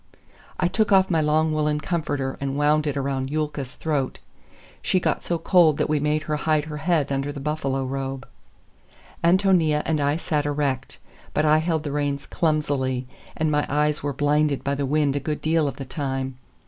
I took off my long woolen comforter and wound it around Yulka's throat. She got so cold that we made her hide her head under the buffalo robe. Ántonia and I sat erect, but I held the reins clumsily, and my eyes were blinded by the wind a good deal of the time.